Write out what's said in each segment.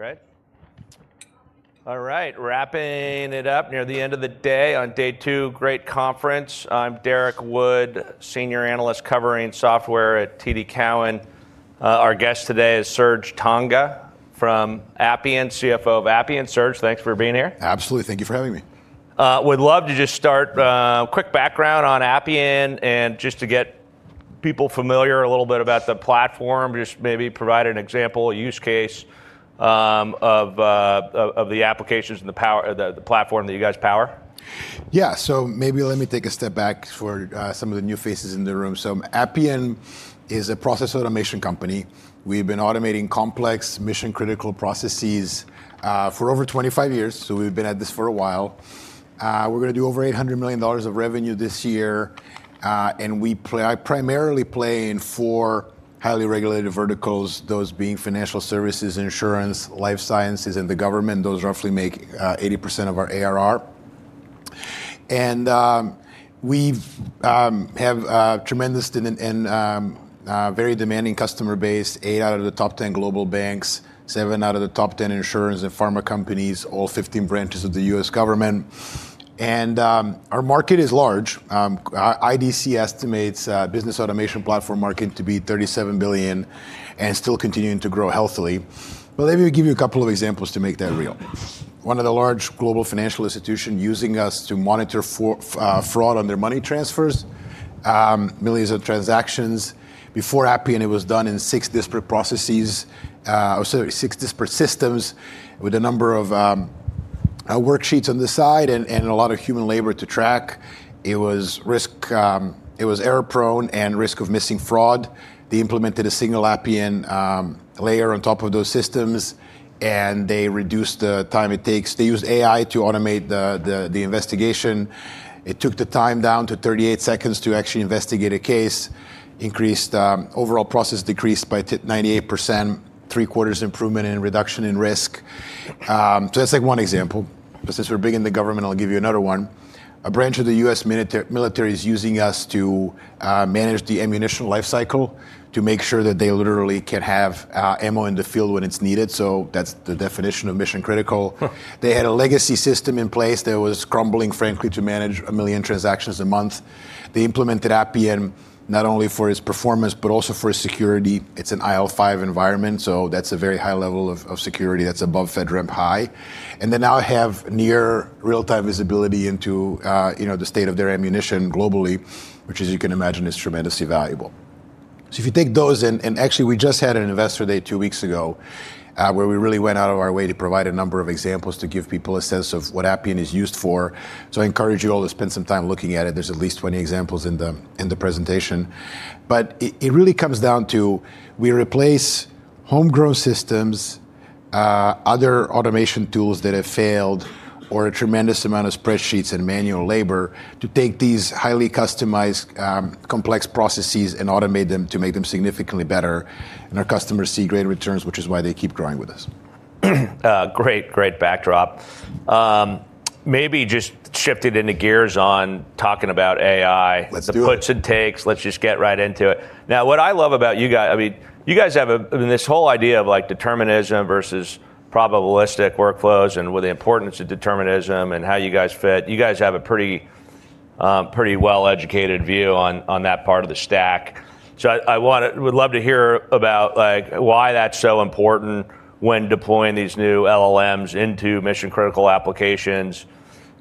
Great. All right. Wrapping it up near the end of the day on day two. Great conference. I'm Derrick Wood, Senior Analyst covering software at TD Cowen. Our guest today is Serge Tanjga from Appian, CFO of Appian. Serge, thanks for being here. Absolutely. Thank you for having me. Would love to just start, quick background on Appian and just to get people familiar a little bit about the platform, just maybe provide an example, a use case of the applications and the platform that you guys power. Maybe let me take a step back for some of the new faces in the room. Appian is a process automation company. We've been automating complex mission-critical processes for over 25 years; we've been at this for a while. We're going to do over $800 million of revenue this year. We primarily play in four highly regulated verticals, those being financial services, insurance, life sciences, and the government. Those roughly make 80% of our ARR. We have a tremendous and very demanding customer base, eight out of the top 10 global banks, seven out of the top 10 insurance and pharma companies, all 15 branches of the U.S. government. Our market is large. IDC estimates business automation platform market to be $37 billion and still continuing to grow healthily. Let me give you a couple of examples to make that real. One of the large global financial institutions using us to monitor fraud on their money transfers. Millions of transactions. Before Appian, it was done in six disparate processes, or sorry, six disparate systems with a number of worksheets on the side and a lot of human labor to track. It was error-prone and risk of missing fraud. They implemented a single Appian layer on top of those systems, and they reduced the time it takes. They used AI to automate the investigation. It took the time down to 38 seconds to actually investigate a case. Overall process decreased by 98%, three-quarters improvement in reduction in risk. That's one example. Since we're big in the government, I'll give you another one. A branch of the U.S. military is using us to manage the ammunition lifecycle to make sure that they literally can have ammo in the field when it's needed. That's the definition of mission critical. They had a legacy system in place that was crumbling, frankly, to manage 1 million transactions a month. They implemented Appian not only for its performance, but also for security. It's an IL5 environment, so that's a very high level of security that's above FedRAMP High. They now have near real-time visibility into the state of their ammunition globally, which as you can imagine, is tremendously valuable. If you take those, and actually, we just had an investor day two weeks ago, where we really went out of our way to provide a number of examples to give people a sense of what Appian is used for. I encourage you all to spend some time looking at it. There's at least 20 examples in the presentation. It really comes down to we replace homegrown systems, other automation tools that have failed, or a tremendous amount of spreadsheets and manual labor to take these highly customized, complex processes and automate them to make them significantly better. Our customers see great returns, which is why they keep growing with us. Great backdrop. Maybe just shifting into gears on talking about AI- Let's do it. the puts and takes. Let's just get right into it. What I love about you guys, this whole idea of determinism versus probabilistic workflows and with the importance of determinism and how you guys fit. You guys have a pretty well-educated view on that part of the stack. I would love to hear about why that's so important when deploying these new LLMs into mission-critical applications,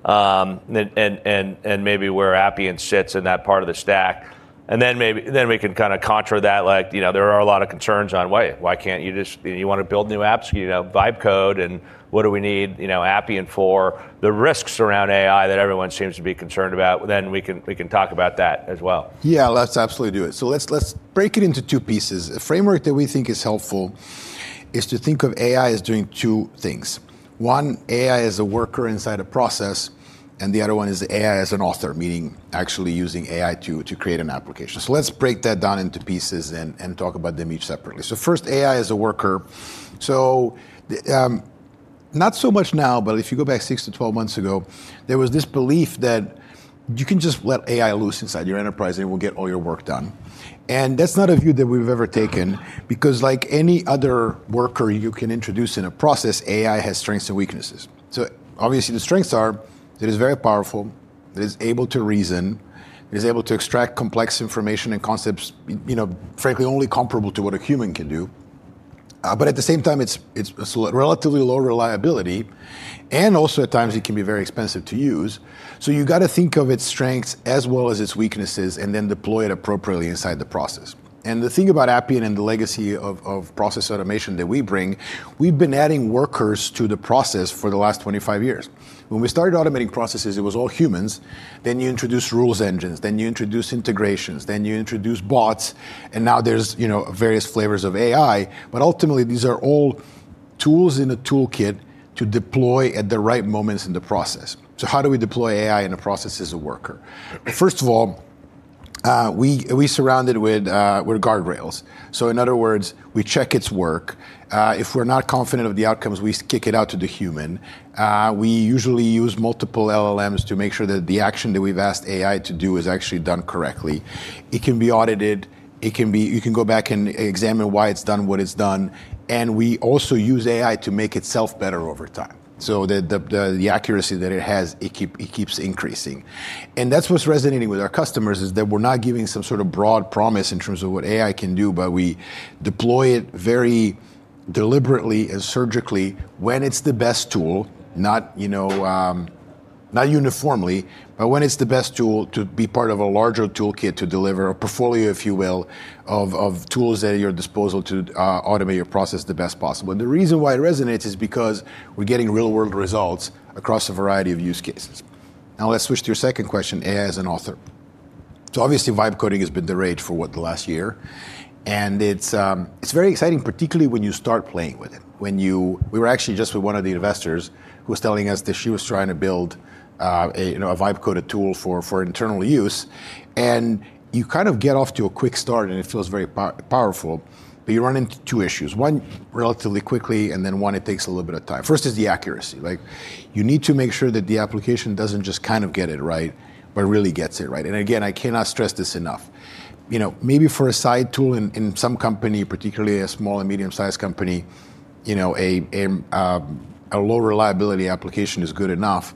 and maybe where Appian sits in that part of the stack. We can kind of contra that. There are a lot of concerns on why. You want to build new apps, vibe code, what do we need Appian for? The risks around AI that everyone seems to be concerned about. We can talk about that as well. Let's absolutely do it. Let's break it into two pieces. A framework that we think is helpful is to think of AI as doing two things. One, AI as a worker inside a process, and the other one is AI as an author, meaning actually using AI to create an application. Let's break that down into pieces and talk about them each separately. First, AI as a worker. Not so much now, but if you go back six to 12 months ago, there was this belief that you can just let AI loose inside your enterprise, and it will get all your work done. That's not a view that we've ever taken because like any other worker you can introduce in a process, AI has strengths and weaknesses. Obviously, the strengths are it is very powerful, it is able to reason, it is able to extract complex information and concepts, frankly, only comparable to what a human can do. At the same time, it's relatively low reliability, and also at times it can be very expensive to use. You got to think of its strengths as well as its weaknesses and then deploy it appropriately inside the process. The thing about Appian and the legacy of process automation that we bring, we've been adding workers to the process for the last 25 years. When we started automating processes, it was all humans. You introduce rules engines, then you introduce integrations, then you introduce bots, and now there's various flavors of AI. Ultimately, these are all tools in a toolkit to deploy at the right moments in the process. How do we deploy AI in a process as a worker? We surround it with guardrails. In other words, we check its work. If we're not confident of the outcomes, we kick it out to the human. We usually use multiple LLMs to make sure that the action that we've asked AI to do is actually done correctly. It can be audited. You can go back and examine why it's done what it's done, and we also use AI to make itself better over time, so that the accuracy that it has, it keeps increasing. That's what's resonating with our customers, is that we're not giving some sort of broad promise in terms of what AI can do, but we deploy it very deliberately and surgically when it's the best tool, not uniformly, but when it's the best tool to be part of a larger toolkit to deliver a portfolio, if you will, of tools at your disposal to automate your process the best possible. The reason why it resonates is because we're getting real-world results across a variety of use cases. Now let's switch to your second question, AI as an author. Obviously, vibe coding has been the rage for, what, the last year, and it's very exciting, particularly when you start playing with it. We were actually just with one of the investors who was telling us that she was trying to build a vibe coded tool for internal use, and you kind of get off to a quick start, and it feels very powerful, but you run into two issues, one relatively quickly, and then one it takes a little bit of time. First is the accuracy. You need to make sure that the application doesn't just kind of get it right but really gets it right. Again, I cannot stress this enough. Maybe for a side tool in some company, particularly a small and medium-sized company, a low reliability application is good enough.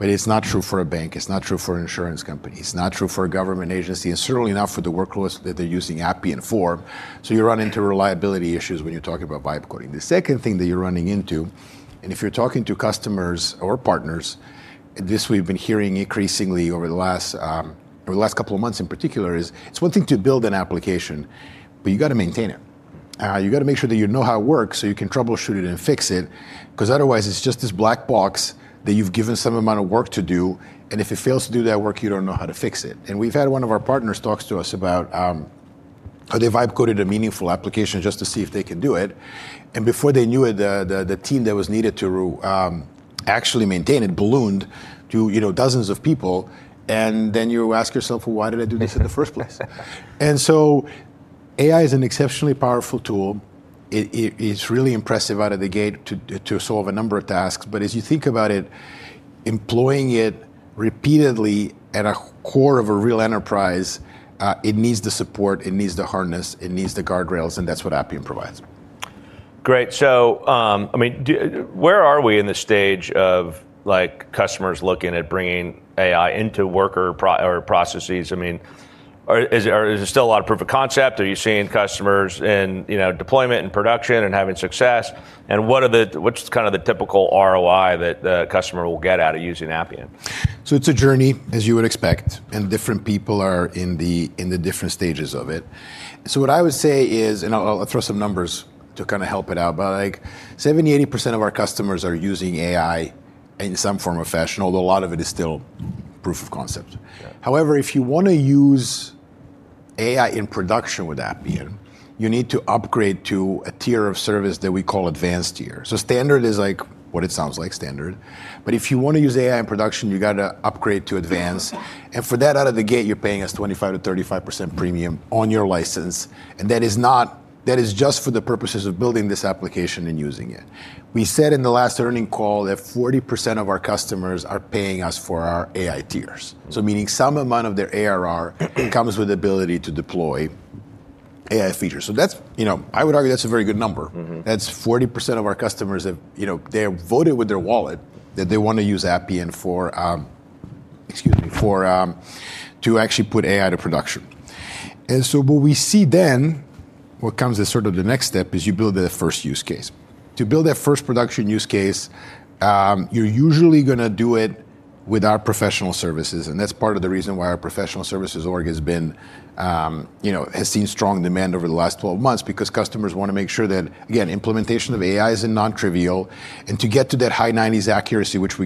It's not true for a bank, it's not true for an insurance company, it's not true for a government agency, and certainly not for the workloads that they're using Appian for. You run into reliability issues when you're talking about vibe coding. The second thing that you're running into, and if you're talking to customers or partners, this we've been hearing increasingly over the last couple of months in particular, is it's one thing to build an application, but you've got to maintain it. You've got to make sure that you know how it works so you can troubleshoot it and fix it, because otherwise it's just this black box that you've given some amount of work to do, and if it fails to do that work, you don't know how to fix it. We've had one of our partners talk to us about how they've vibe coded a meaningful application just to see if they can do it. Before they knew it, the team that was needed to actually maintain it ballooned to dozens of people, you ask yourself, "Well, why did I do this in the first place?" AI is an exceptionally powerful tool. It's really impressive out of the gate to solve a number of tasks, but as you think about it, employing it repeatedly at a core of a real enterprise, it needs the support, it needs the harness, it needs the guardrails, and that's what Appian provides. Great. Where are we in the stage of customers looking at bringing AI into worker or processes? Is there still a lot of proof of concept? Are you seeing customers in deployment and production and having success? What's kind of the typical ROI that the customer will get out of using Appian? It's a journey, as you would expect, and different people are in the different stages of it. What I would say is, and I'll throw some numbers to kind of help it out, but 70%-80% of our customers are using AI in some form or fashion, although a lot of it is still proof of concept. Okay. However, if you want to use AI in production with Appian, you need to upgrade to a tier of service that we call Advanced tier. Standard is what it sounds like, standard. If you want to use AI in production, you've got to upgrade to Advanced. Okay. For that out of the gate, you're paying us 25%-35% premium on your license, and that is just for the purposes of building this application and using it. We said in the last earnings call that 40% of our customers are paying us for our AI tiers. Okay. Meaning some amount of their ARR comes with the ability to deploy AI features. I would argue that's a very good number. That's 40% of our customers have, they have voted with their wallet that they want to use Appian for, excuse me, to actually put AI to production. What we see then, what comes as sort of the next step is you build the first use case. To build that first production use case, you're usually going to do it with our professional services, and that's part of the reason why our professional services org has seen strong demand over the last 12 months, because customers want to make sure that, again, implementation of AI isn't nontrivial, and to get to that high 90s accuracy which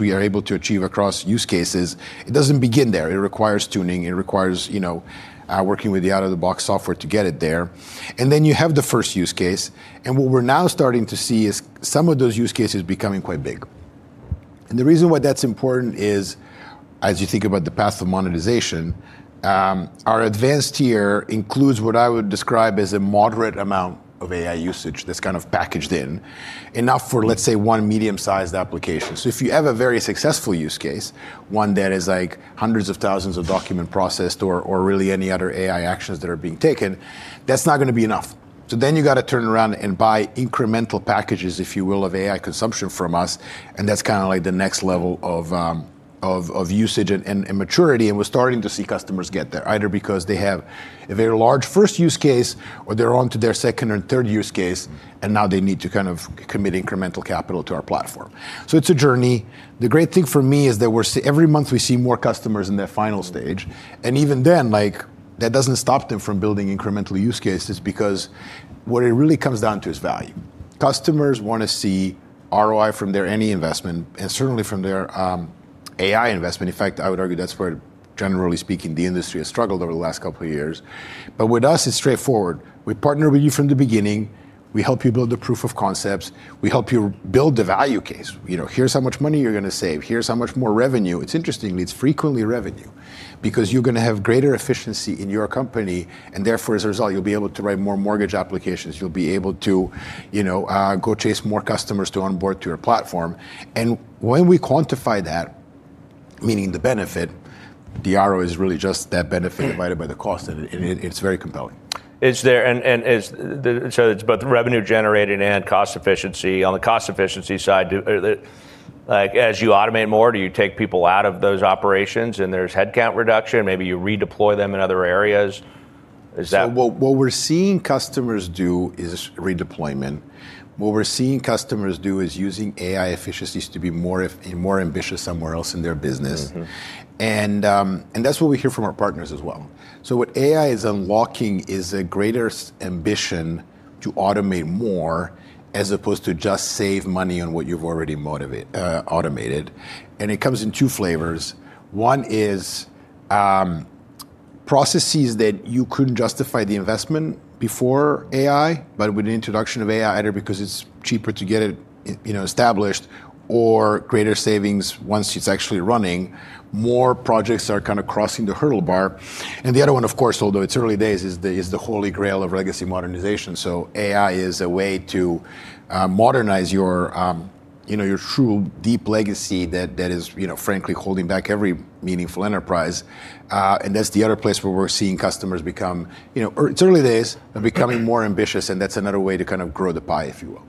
we are able to achieve across use cases, it doesn't begin there. It requires tuning. It requires working with the out-of-the-box software to get it there. Then you have the first use case, and what we're now starting to see is some of those use cases becoming quite big. The reason why that's important is, as you think about the path to monetization, our Advanced tier includes what I would describe as a moderate amount of AI usage that's kind of packaged in. Enough for, let's say, one medium-sized application. If you have a very successful use case, one that is hundreds of thousands of documents processed or really any other AI actions that are being taken, that's not going to be enough. You've got to turn around and buy incremental packages, if you will, of AI consumption from us, and that's kind of like the next level of usage and maturity, and we're starting to see customers get there, either because they have a very large first use case, or they're onto their second or third use case, and now they need to commit incremental capital to our platform. It's a journey. The great thing for me is that every month we see more customers in that final stage, and even then, that doesn't stop them from building incremental use cases because what it really comes down to is value. Customers want to see ROI from their any investment, and certainly from their AI investment. In fact, I would argue that's where, generally speaking, the industry has struggled over the last couple of years. With us, it's straightforward. We partner with you from the beginning. We help you build the proof of concepts. We help you build the value case. Here's how much money you're going to save. Here's how much more revenue. It's interestingly, it's frequently revenue because you're going to have greater efficiency in your company, and therefore, as a result, you'll be able to write more mortgage applications. You'll be able to go chase more customers to onboard to your platform. When we quantify that, meaning the benefit, the ROI is really just that benefit divided by the cost, and it's very compelling. It's both revenue generating and cost efficiency. On the cost efficiency side, as you automate more, do you take people out of those operations and there's headcount reduction? Maybe you redeploy them in other areas. What we're seeing customers do is redeployment. What we're seeing customers do is using AI efficiencies to be more ambitious somewhere else in their business. That's what we hear from our partners as well. What AI is unlocking is a greater ambition to automate more as opposed to just save money on what you've already automated, and it comes in two flavors. One is processes that you couldn't justify the investment before AI, but with the introduction of AI, either because it's cheaper to get it established or greater savings once it's actually running, more projects are kind of crossing the hurdle bar. The other one, of course, although it's early days, is the holy grail of legacy modernization. AI is a way to modernize your true deep legacy that is frankly holding back every meaningful enterprise. That's the other place where we're seeing. It's early days of becoming more ambitious, and that's another way to kind of grow the pie, if you will.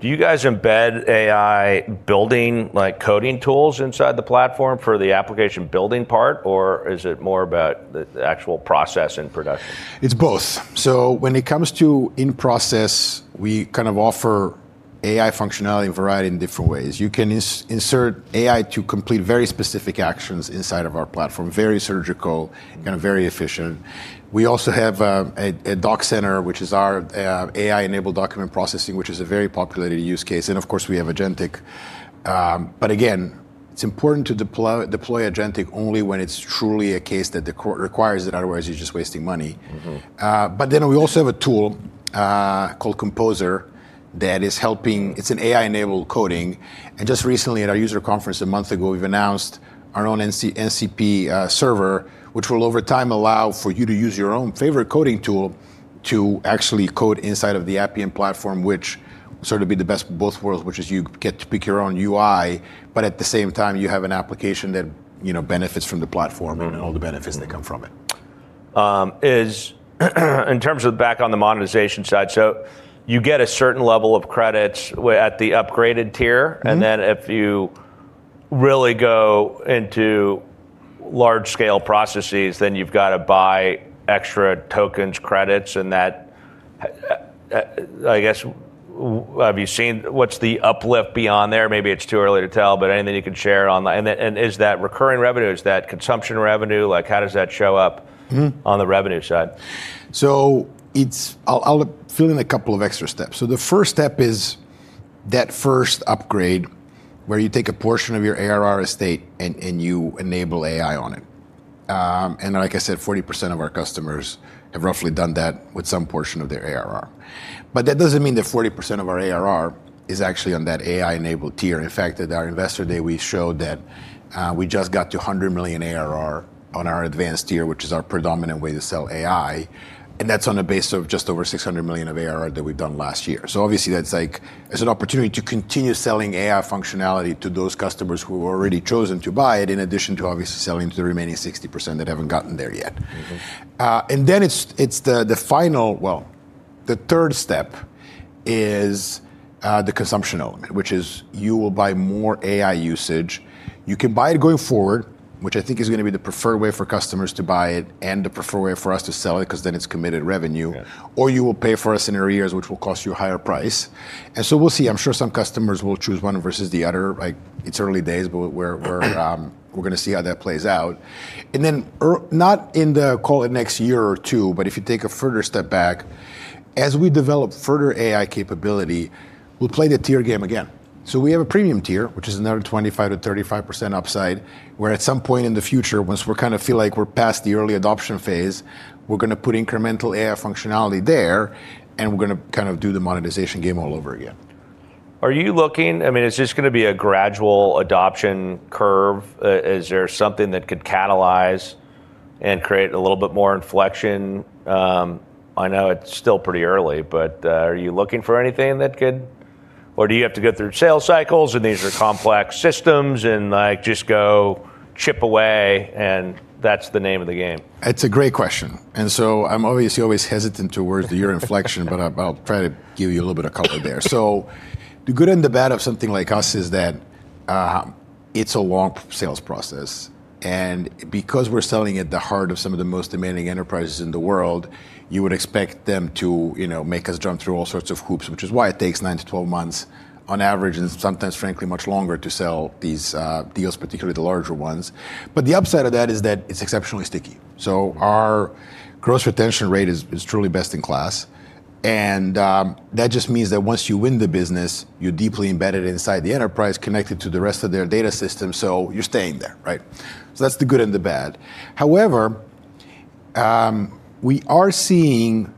Do you guys embed AI building, like coding tools inside the platform for the application building part, or is it more about the actual process and production? It's both. When it comes to in-process, we kind of offer AI functionality in variety in different ways. You can insert AI to complete very specific actions inside of our platform, very surgical and very efficient. We also have a DocCenter, which is our AI-enabled document processing, which is a very popular use case. Of course, we have agentic. Again, it's important to deploy agentic only when it's truly a case that requires it, otherwise you're just wasting money. We also have a tool called Composer that is an AI-enabled coding. Just recently at our user conference a month ago, we've announced our own MCP server, which will over time allow for you to use your own favorite coding tool to actually code inside of the Appian platform, which sort of be the best of both worlds, which is you get to pick your own UI, but at the same time, you have an application that benefits from the platform. All the benefits that come from it. In terms of back on the monetization side, you get a certain level of credits at the upgraded tier. Then if you really go into large-scale processes, then you've got to buy extra tokens, credits, and that, I guess, have you seen what's the uplift beyond there? Maybe it's too early to tell, but anything you can share online. Is that recurring revenue? Is that consumption revenue? How does that show up? on the revenue side? I'll fill in a couple of extra steps. The first step is that first upgrade, where you take a portion of your ARR estate and you enable AI on it. Like I said, 40% of our customers have roughly done that with some portion of their ARR. That doesn't mean that 40% of our ARR is actually on that AI-enabled tier. In fact, at our investor day, we showed that we just got to $100 million ARR on our Advanced tier, which is our predominant way to sell AI, and that's on a base of just over $600 million of ARR that we've done last year. Obviously, that's like, it's an opportunity to continue selling AI functionality to those customers who have already chosen to buy it, in addition to obviously selling to the remaining 60% that haven't gotten there yet. well, the third step is the consumption element, which is you will buy more AI usage. You can buy it going forward, which I think is going to be the preferred way for customers to buy it and the preferred way for us to sell it, because then it's committed revenue. Yeah. You will pay for it in arrears, which will cost you a higher price. We'll see. I'm sure some customers will choose one versus the other. It's early days, we're going to see how that plays out. Not in the call it next year or two, if you take a further step back, as we develop further AI capability, we'll play the tier game again. We have a Premium tier, which is another 25%-35% upside, where at some point in the future, once we kind of feel like we're past the early adoption phase, we're going to put incremental AI functionality there, we're going to do the monetization game all over again. Is this going to be a gradual adoption curve? Is there something that could catalyze and create a little bit more inflection? I know it's still pretty early, but are you looking for anything that could Or do you have to go through sales cycles, and these are complex systems, and just go chip away, and that's the name of the game? It's a great question, and so I'm obviously always hesitant towards the year, but I'll try to give you a little bit of color there. The good and the bad of something like us is that it's a long sales process, and because we're selling at the heart of some of the most demanding enterprises in the world, you would expect them to make us jump through all sorts of hoops, which is why it takes nine to 12 months on average, and sometimes, frankly, much longer to sell these deals, particularly the larger ones. The upside of that is that it's exceptionally sticky. Our gross retention rate is truly best in class, and that just means that once you win the business, you're deeply embedded inside the enterprise, connected to the rest of their data system. You're staying there, right? That's the good and the bad. However, we are seeing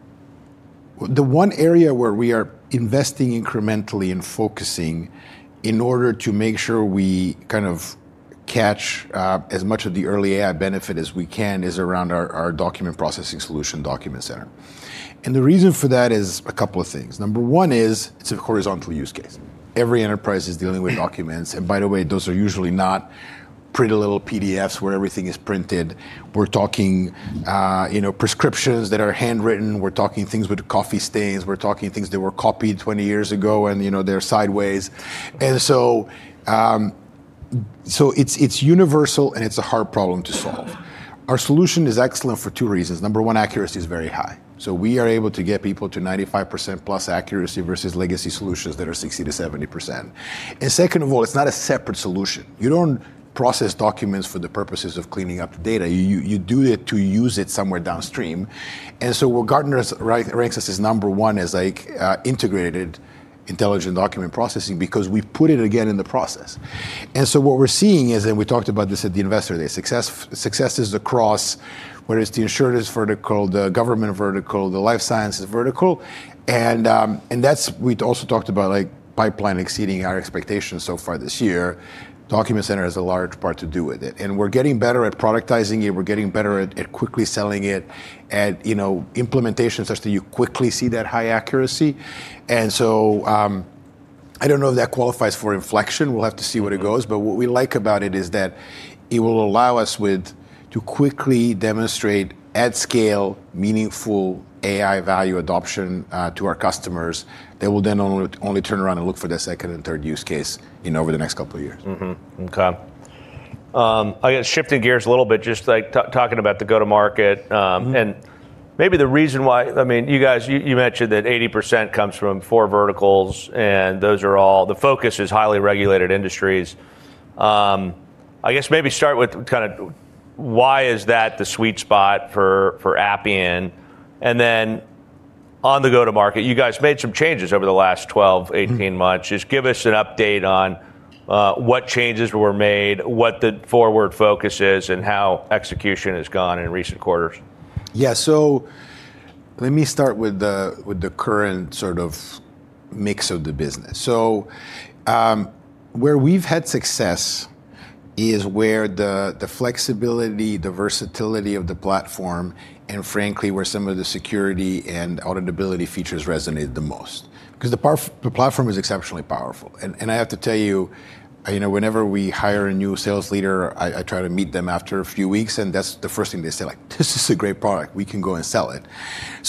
the one area where we are investing incrementally and focusing in order to make sure we kind of catch as much of the early AI benefit as we can is around our document processing solution DocCenter. The reason for that is a couple of things. Number one is it's a horizontal use case. Every enterprise is dealing with documents, and by the way, those are usually not pretty little PDFs where everything is printed. We're talking prescriptions that are handwritten. We're talking things with coffee stains. We're talking things that were copied 20 years ago, and they're sideways. It's universal, and it's a hard problem to solve. Our solution is excellent for two reasons. Number one, accuracy is very high. We are able to get people to 95%+ accuracy versus legacy solutions that are 60%-70%. Second of all, it's not a separate solution. You don't process documents for the purposes of cleaning up the data. You do it to use it somewhere downstream. What Gartner ranks us is number one as integrated intelligent document processing because we've put it again in the process. What we're seeing is, and we talked about this at the Investor Day, successes across whether it's the insurance vertical, the government vertical, the life sciences vertical. DocCenter has a large part to do with it, and we're getting better at productizing it. We're getting better at quickly selling it at implementation such that you quickly see that high accuracy. I don't know if that qualifies for inflection. We'll have to see where it goes. What we like about it is that it will allow us to quickly demonstrate at scale meaningful AI value adoption to our customers that will then only turn around and look for their second and third use case over the next couple of years. Okay. Shifting gears a little bit, just talking about the go-to-market. Maybe the reason why, you guys, you mentioned that 80% comes from four verticals. The focus is highly regulated industries. I guess maybe start with why is that the sweet spot for Appian? Then on the go-to-market, you guys made some changes over the last 12, 18 months. Just give us an update on what changes were made, what the forward focus is, and how execution has gone in recent quarters. Let me start with the current sort of mix of the business. Where we've had success is where the flexibility, the versatility of the platform, and frankly, where some of the security and auditability features resonated the most because the platform is exceptionally powerful. I have to tell you, whenever we hire a new sales leader, I try to meet them after a few weeks, and that's the first thing they say, "This is a great product. We can go and sell it."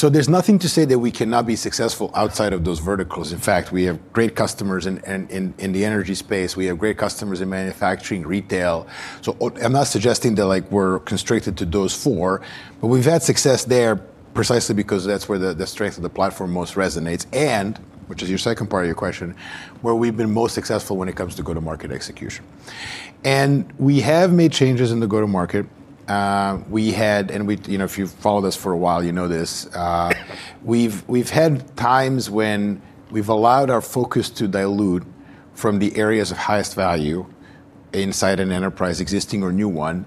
There's nothing to say that we cannot be successful outside of those verticals. In fact, we have great customers in the energy space. We have great customers in manufacturing, retail. I'm not suggesting that we're constricted to those four, but we've had success there precisely because that's where the strength of the platform most resonates and, which is your second part of your question, where we've been most successful when it comes to go-to-market execution. We have made changes in the go-to-market. If you've followed us for a while, you know this. We've had times when we've allowed our focus to dilute from the areas of highest value inside an enterprise, existing or new one,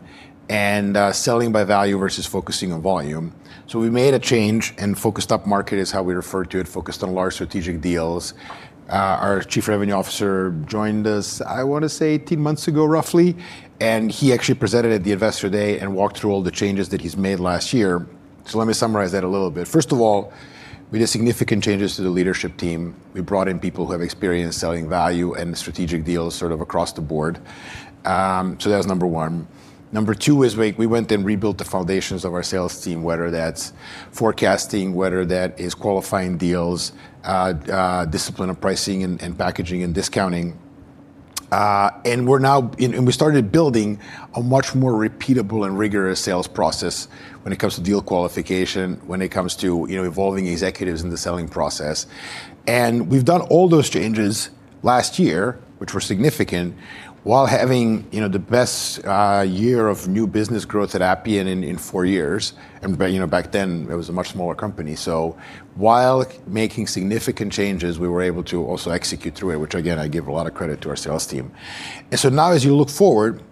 and selling by value versus focusing on volume. We made a change and focused up-market is how we refer to it, focused on large strategic deals. Our Chief Revenue Officer joined us, I want to say 18 months ago, roughly, and he actually presented at the Investor Day and walked through all the changes that he's made last year. Let me summarize that a little bit. First of all, we did significant changes to the leadership team. We brought in people who have experience selling value and strategic deals sort of across the board. That was Number 1. Number 2 is we went and rebuilt the foundations of our sales team, whether that's forecasting, whether that is qualifying deals, discipline of pricing and packaging and discounting. We started building a much more repeatable and rigorous sales process when it comes to deal qualification, when it comes to evolving executives in the selling process. We've done all those changes last year, which were significant, while having the best year of new business growth at Appian in four years. Back then, it was a much smaller company. While making significant changes, we were able to also execute through it, which again, I give a lot of credit to our sales team. Now as you look forward,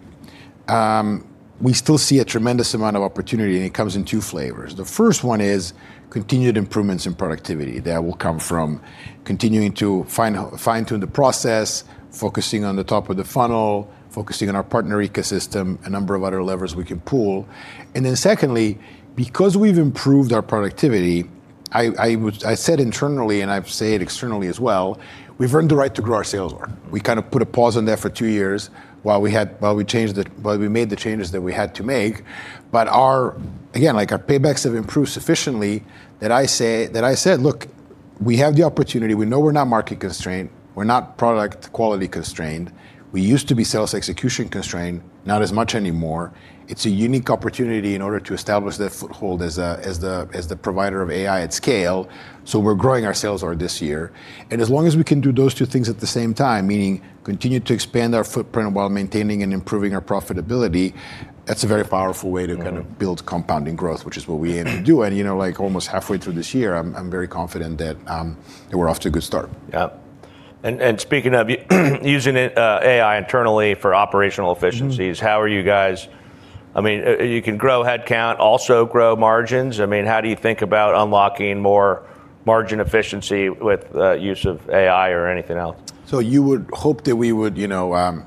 we still see a tremendous amount of opportunity, and it comes in two flavors. The first one is continued improvements in productivity that will come from continuing to fine-tune the process, focusing on the top of the funnel, focusing on our partner ecosystem, a number of other levers we can pull. Then secondly, because we've improved our productivity, I said internally, and I say it externally as well, we've earned the right to grow our sales arm. We kind of put a pause on that for two years while we made the changes that we had to make. Again, our paybacks have improved sufficiently that I said, "Look, we have the opportunity. We know we're not market constrained. We're not product quality constrained. We used to be sales execution constrained, not as much anymore. It's a unique opportunity in order to establish that foothold as the provider of AI at scale. We're growing our sales arm this year. As long as we can do those two things at the same time, meaning continue to expand our footprint while maintaining and improving our profitability, that's a very powerful way to kind of build compounding growth, which is what we aim to do. Almost halfway through this year, I'm very confident that we're off to a good start. Yeah, speaking of using AI internally for operational efficiencies. You can grow head count, also grow margins. How do you think about unlocking more margin efficiency with use of AI or anything else? You would hope that we would eat our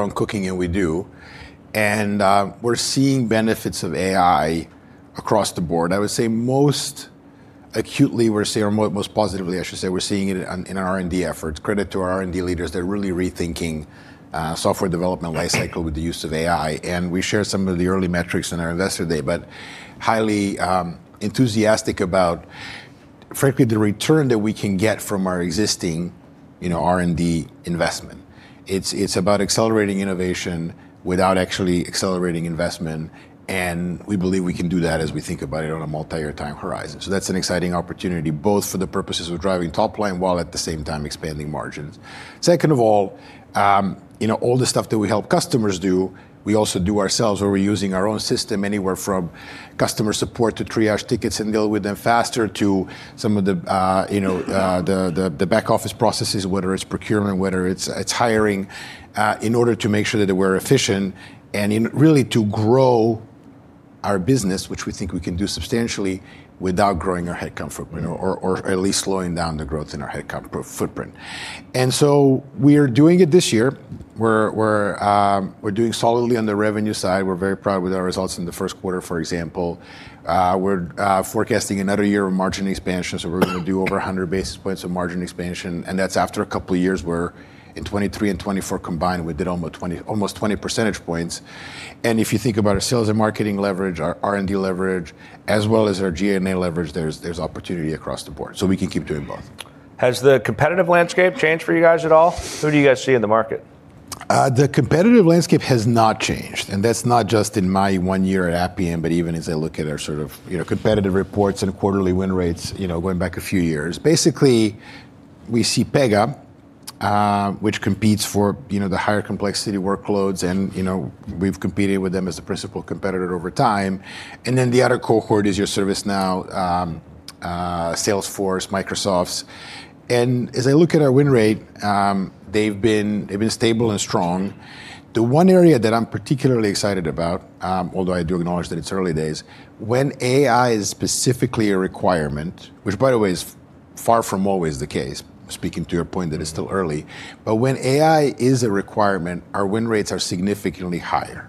own cooking, and we do. We're seeing benefits of AI across the board. I would say most acutely we're seeing, or most positively, I should say, we're seeing it in our R&D efforts. Credit to our R&D leaders. They're really rethinking software development lifecycle with the use of AI. We shared some of the early metrics on our investor day, but highly enthusiastic about, frankly, the return that we can get from our existing R&D investment. It's about accelerating innovation without actually accelerating investment, and we believe we can do that as we think about it on a multi-year time horizon. That's an exciting opportunity, both for the purposes of driving top line while at the same time expanding margins. Second of all the stuff that we help customers do, we also do ourselves, where we're using our own system, anywhere from customer support to triage tickets and deal with them faster to some of the back office processes, whether it's procurement, whether it's hiring, in order to make sure that we're efficient and really to grow our business, which we think we can do substantially without growing our head count footprint or at least slowing down the growth in our head count footprint. We are doing it this year. We're doing solidly on the revenue side. We're very proud with our results in the first quarter, for example. We're forecasting another year of margin expansion, so we're going to do over 100 basis points of margin expansion, and that's after a couple of years where in 2023 and 2024 combined, we did almost 20 percentage points. If you think about our sales and marketing leverage, our R&D leverage, as well as our G&A leverage, there's opportunity across the board. We can keep doing both. Has the competitive landscape changed for you guys at all? Who do you guys see in the market? The competitive landscape has not changed, and that's not just in my one year at Appian, but even as I look at our competitive reports and quarterly win rates going back a few years. Basically, we see Pega, which competes for the higher complexity workloads and we've competed with them as the principal competitor over time. The other cohort is your ServiceNow, Salesforce, Microsoft. As I look at our win rate, they've been stable and strong. The one area that I'm particularly excited about, although I do acknowledge that it's early days, when AI is specifically a requirement, which by the way, is far from always the case, speaking to your point that it's still early, but when AI is a requirement, our win rates are significantly higher.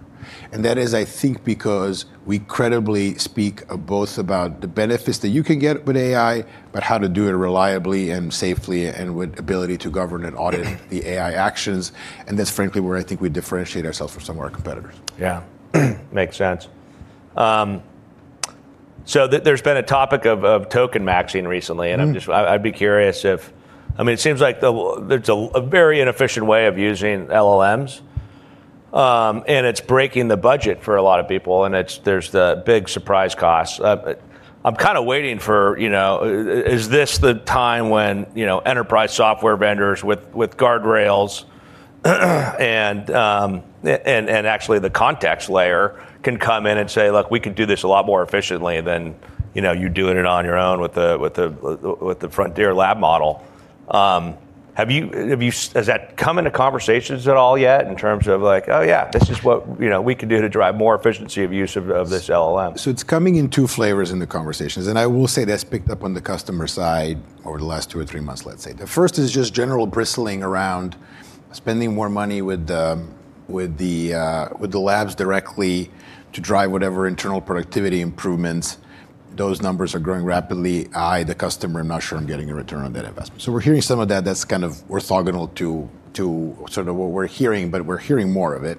That is, I think, because we credibly speak both about the benefits that you can get with AI, but how to do it reliably and safely and with ability to govern and audit the AI actions. That's frankly where I think we differentiate ourselves from some of our competitors. Yeah. Makes sense. There's been a topic of token maxing recently, and I'd be curious if It seems like there's a very inefficient way of using LLMs, and it's breaking the budget for a lot of people, and there's the big surprise costs. I'm kind of waiting for, is this the time when enterprise software vendors with guardrails and actually the context layer can come in and say, "Look, we could do this a lot more efficiently than you doing it on your own with the frontier lab model." Has that come into conversations at all yet in terms of like, "Oh, yeah, this is what we can do to drive more efficiency of use of this LLM? It's coming in two flavors in the conversations, and I will say that's picked up on the customer side over the last two or three months, let's say. The first is just general bristling around spending more money with the labs directly to drive whatever internal productivity improvements. Those numbers are growing rapidly. I, the customer, am not sure I'm getting a return on that investment. We're hearing some of that. That's kind of orthogonal to what we're hearing, but we're hearing more of it.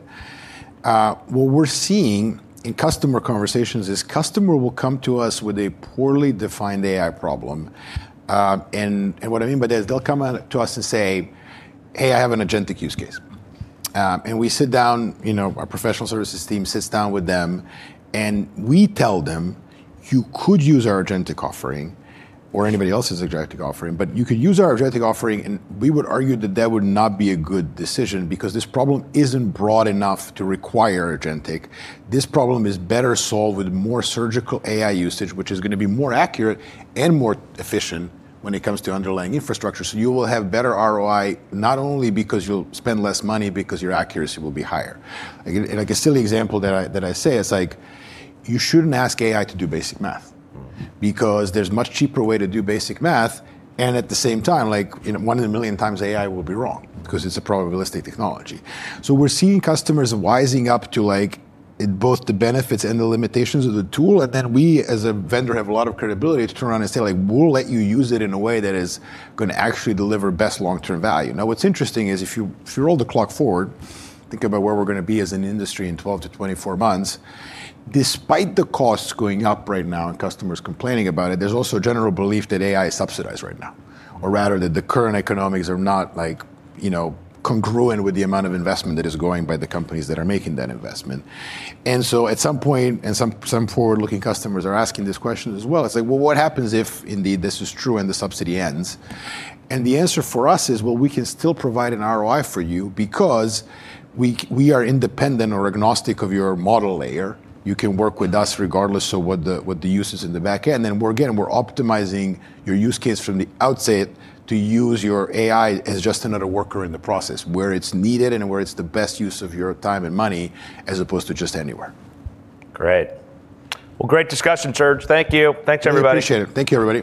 What we're seeing in customer conversations is customer will come to us with a poorly defined AI problem, and what I mean by that is they'll come to us and say, "Hey, I have an agentic use case." We sit down, our professional services team sits down with them, and we tell them, "You could use our agentic offering or anybody else's agentic offering, but you could use our agentic offering, and we would argue that that would not be a good decision because this problem isn't broad enough to require agentic. This problem is better solved with more surgical AI usage, which is going to be more accurate and more efficient when it comes to underlying infrastructure. You will have better ROI, not only because you'll spend less money, because your accuracy will be higher. Like a silly example that I say is like, you shouldn't ask AI to do basic math because there's much cheaper way to do basic math, and at the same time, one in a million times AI will be wrong because it's a probabilistic technology. We're seeing customers wising up to both the benefits and the limitations of the tool, and then we, as a vendor, have a lot of credibility to turn around and say, "We'll let you use it in a way that is going to actually deliver best long-term value." Now, what's interesting is if you roll the clock forward, think about where we're going to be as an industry in 12-24 months. Despite the costs going up right now and customers complaining about it, there's also a general belief that AI is subsidized right now, or rather that the current economics are not congruent with the amount of investment that is going by the companies that are making that investment. At some point, and some forward-looking customers are asking this question as well, it's like, "Well, what happens if indeed this is true and the subsidy ends?" The answer for us is, well, we can still provide an ROI for you because we are independent or agnostic of your model layer. You can work with us regardless of what the use is in the back end. Again, we're optimizing your use case from the outset to use your AI as just another worker in the process where it's needed and where it's the best use of your time and money as opposed to just anywhere. Great. Well, great discussion, Serge. Thank you. Thanks, everybody. Appreciate it. Thank you, everybody.